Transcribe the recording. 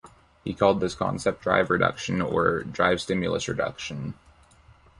He called this concept drive-reduction, or drive-stimulus reduction.